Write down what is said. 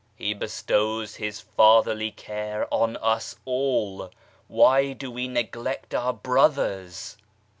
He bestows His Fatherly care on us all why do we neglect our brothers